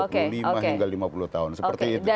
dua puluh lima hingga lima puluh tahun seperti itu